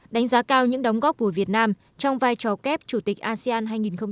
đánh giá cao những đóng góp của việt nam trong vai trò kép chủ tịch asean hai nghìn hai mươi